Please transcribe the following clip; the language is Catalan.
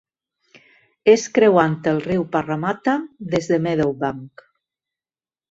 És creuant el riu Parramatta des de Meadowbank.